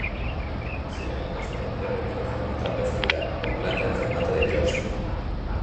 Se levantó sobre un terreno de forma trapezoidal, con planta en formato de claustro.